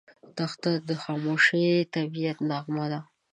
دښته د خاموش طبعیت نغمه ده.